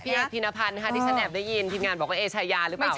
ธินพันธ์นะคะที่ฉันแอบได้ยินทีมงานบอกว่าเอชายาหรือเปล่า